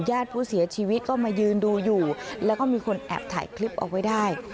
ญาติผู้เสียชีวิตก็มายืนดูอยู่แล้วก็มีคนแอบถ่ายคลิปเอาไว้ได้